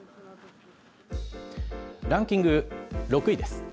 ランキング６位です。